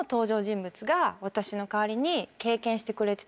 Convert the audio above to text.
私の代わりに経験してくれてた。